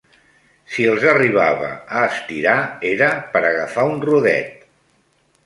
Si els arribava a estirar, era per agafar un rodet